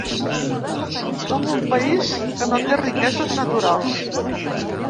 Som un país que no té riqueses naturals.